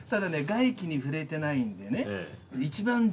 外気に触れてないんでね。